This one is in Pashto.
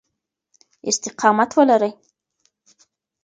استقامت ولرئ.